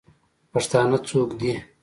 پښتانه څوک دئ؟